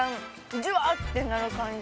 ジュワーッてなる感じ